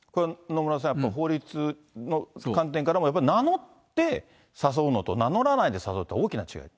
野村さん、やっぱり法律の観点からも、やっぱり名乗って誘うのと、名乗らないで誘うのは大きな違い？